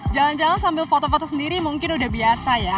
jalan jalan sambil foto foto sendiri mungkin udah biasa ya